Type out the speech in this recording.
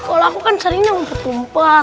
kalo aku kan sering nyang ketumpat